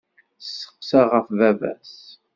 Tesseqsa ɣef baba-s.